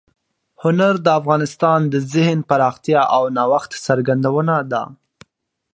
هنر د انسان د ذهن پراختیا او د نوښت څرګندونه ده.